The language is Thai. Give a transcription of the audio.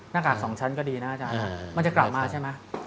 หน้ากาก๒ชั้นก็ดีนะอาจารย์มันจะกลับมาใช่ไหม